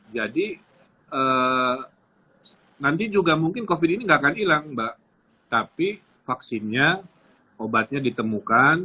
jadi nanti juga mungkin covid ini nggak akan hilang mbak tapi vaksinnya obatnya ditemukan